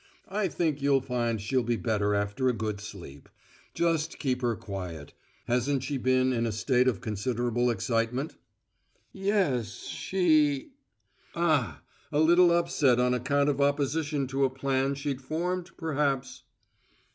I think you'll find she'll be better after a good sleep. Just keep her quiet. Hadn't she been in a state of considerable excitement?" "Ye es she " "Ah! A little upset on account of opposition to a plan she'd formed, perhaps?"